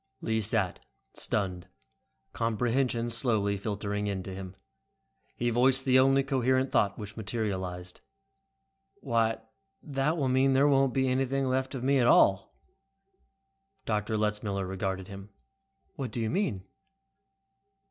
Lee sat, stunned, comprehension slowly filtering into him. He voiced the only coherent thought which materialized. "Why that will mean there won't be anything left of me at all." Dr. Letzmiller regarded him. "What do you mean?"